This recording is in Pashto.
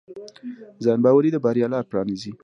ځانباوري د بریا لاره پرانیزي.